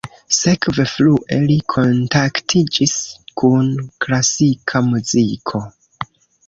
Sekve frue li kontaktiĝis kun klasika muziko.